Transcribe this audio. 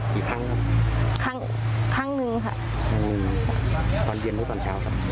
กี่ครั้งครับครั้งครั้งหนึ่งค่ะครั้งหนึ่งตอนเย็นหรือตอนเช้าครับ